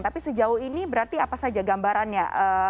tapi sejauh ini berarti apa saja gambarannya